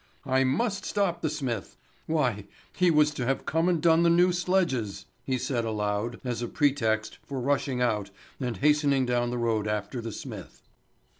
I must stop the smith! Why, he was to have come and done the new sledges!" he said aloud as a pretext for rushing out and hastening down the road after the smith.